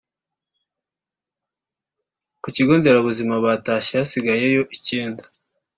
ku kigo nderabuzima batashye hasigayeyo icyenda